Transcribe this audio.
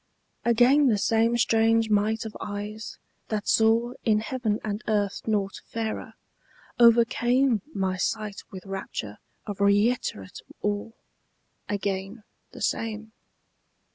Again the same strange might of eyes, that saw In heaven and earth nought fairer, overcame My sight with rapture of reiterate awe, Again the same.